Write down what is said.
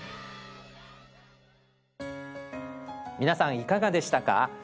皆さんいかがでしたか？